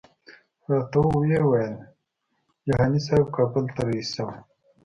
راته ویې ویل جهاني صاحب کابل ته رهي شوی.